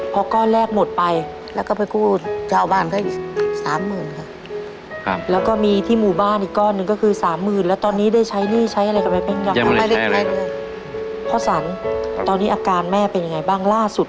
พอก้อแรกหมดไปแล้วก็ไปกู้ดีกว่าเอาบ้านให้สามหมื่น